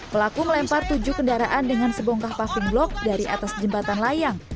pelaku melempar tujuh kendaraan dengan sebongkah pasking blok dari atas jembatan layang